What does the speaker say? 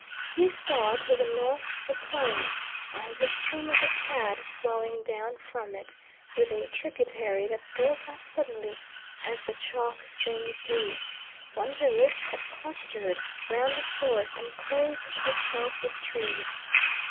He saw to the north the Plain, and the stream of the Cad flowing down from it, with a tributary that broke out suddenly, as the chalk streams do: one village had clustered round the source and clothed itself with trees.